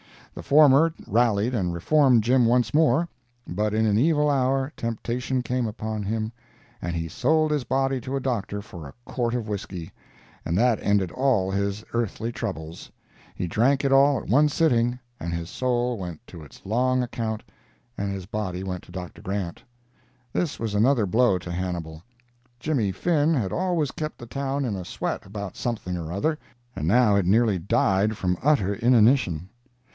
The former rallied and reformed Jim once more, but in an evil hour temptation came upon him, and he sold his body to a doctor for a quart of whiskey, and that ended all his earthly troubles. He drank it all at one sitting, and his soul went to its long account and his body went to Dr. Grant. This was another blow to Hannibal. Jimmy Finn had always kept the town in a sweat about something or other, and now it nearly died from utter inanition.